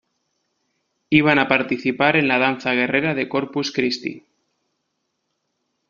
Iban a participar en la danza guerrera de Corpus Christi.